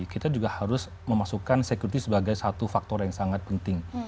kita juga harus memasukkan security sebagai satu faktor yang sangat penting